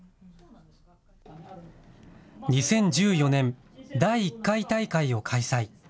２０１４年、第１回大会を開催。